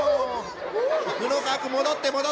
布川君戻って戻って。